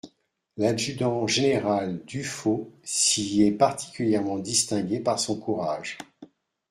L'adjudant-général Duphot s'y est particulièrement distingué par son courage.